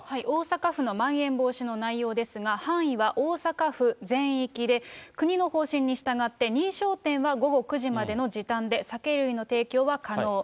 大阪府のまん延防止の内容ですが、範囲は大阪府全域で、国の方針に従って、認証店は午後９時までの時短で、酒類の提供は可能。